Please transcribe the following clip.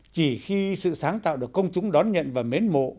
chỉ khi sự sáng tạo được công chúng đón nhận và mến mộ